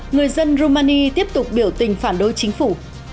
người dân romani tiếp tục biểu tình phản đối chính phủ